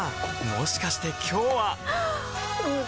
もしかして今日ははっ！